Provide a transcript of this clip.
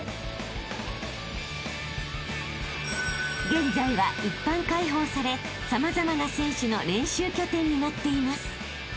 ［現在は一般開放され様々な選手の練習拠点になっています］